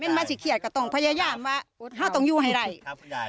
มันไม่สิเกียจกะต้องพยายามว่าเฮ้าต้องอยู่ไหนครับคุณยาย